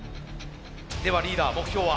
ではリーダー目標は？